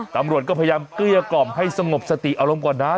ตำรวจก็พยายามเกลี้ยกล่อมให้สงบสติอารมณ์ก่อนนะ